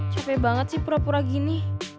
capek banget sih pura pura gini